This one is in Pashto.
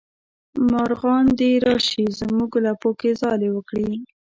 مارغان دې راشي زمونږ لپو کې ځالې وکړي